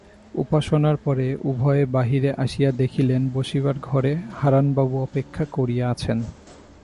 উপাসনার পরে উভয়ে বাহিরে আসিয়া দেখিলেন বসিবার ঘরে হারানবাবু অপেক্ষা করিয়া আছেন।